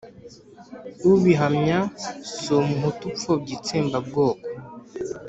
ubihamya si umuhutu upfobya itsembabwoko,